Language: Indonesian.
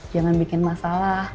jangan bikin masalah